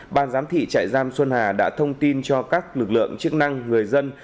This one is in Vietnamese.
ban giám thị trại giam xuân hà đã thông tin cho các lực lượng chức năng người dân